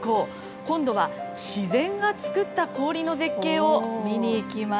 今度は自然が作った氷の絶景を見に行きます。